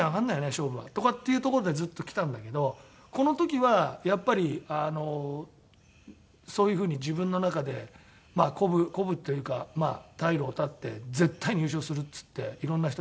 勝負は」とかっていうところでずっときたんだけどこの時はやっぱりそういう風に自分の中で鼓舞鼓舞というか退路を断って「絶対に優勝する」っつっていろんな人に。